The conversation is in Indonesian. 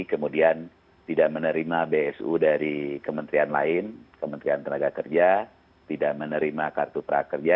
kemudian tidak menerima bsu dari kementerian lain kementerian tenaga kerja tidak menerima kartu prakerja